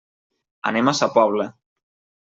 Anem a sa Pobla.